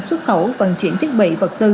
xuất khẩu vận chuyển thiết bị vật tư